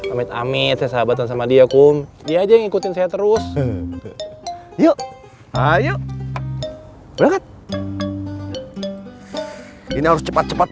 amit amit sahabatan sama dia kum dia aja ngikutin saya terus yuk ayo banget ini harus cepat cepat